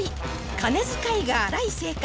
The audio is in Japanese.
金遣いが荒い性格